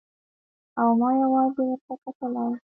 او ما يوازې ورته کتلای.